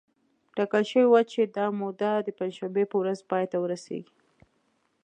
ټاکل شوې وه چې دا موده د پنجشنبې په ورځ پای ته ورسېږي